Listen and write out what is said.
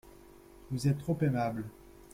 Vous êtes trop aimables.